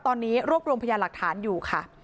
ตอนนี้รวบรวมพยานหลักฐานอยู่ค่ะ